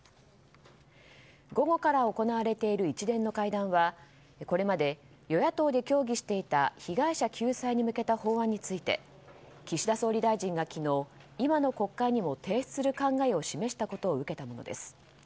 午後から行われている一連の会談はこれまで与野党で協議していた被害者救済に向けた法案について岸田総理大臣が昨日今の国会にも提出する考えを示したことを受けたものです。